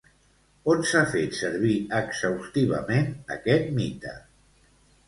On s'ha fet servir exhaustivament aquest mite?